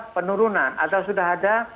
memang di beberapa tempat sudah ada